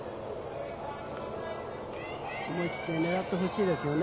思い切って狙ってほしいですよね。